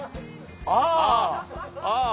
ああ！